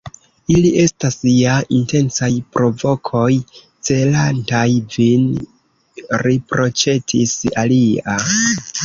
Ili estas ja intencaj provokoj, celantaj vin, riproĉetis alia.